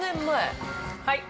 はい！